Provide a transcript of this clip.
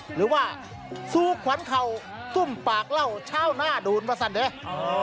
หรือว่าสูขวัญเขาซุ่มปากเล่าชาวนาดูลพระสันเดชน์